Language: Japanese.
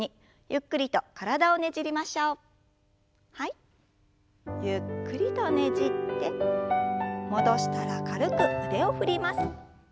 ゆっくりとねじって戻したら軽く腕を振ります。